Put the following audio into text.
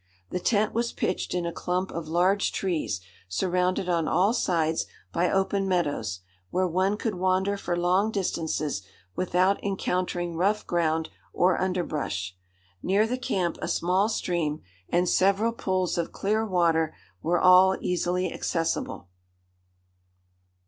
The tent was pitched in a clump of large trees surrounded on all sides by open meadows, where one could wander for long distances without encountering rough ground or underbrush. Near the camp a small stream, and several pools of clear water, were all easily accessible.